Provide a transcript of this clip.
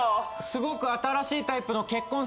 すごく新しいタイプの結婚